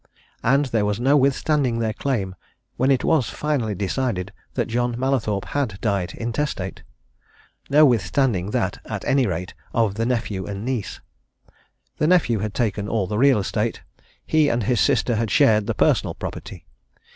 And there was no withstanding their claim when it was finally decided that John Mallathorpe had died intestate no withstanding that, at any rate, of the nephew and niece. The nephew had taken all the real estate: he and his sister had shared the personal property.